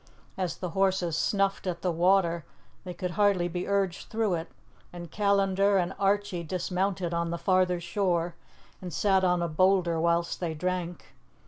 As the horses snuffed at the water they could hardly be urged through it, and Callandar and Archie dismounted on the farther shore and sat on a boulder whilst they drank.